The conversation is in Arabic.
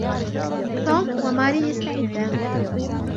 توم وماري يستعدان.